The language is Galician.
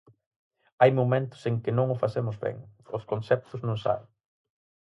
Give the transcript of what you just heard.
Hai momentos en que non o facemos ben, os conceptos non saen.